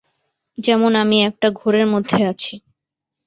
যেমন আমি একটা ঘোরের মধ্যে আছি।